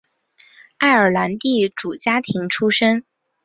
爱尔兰地主家庭出身。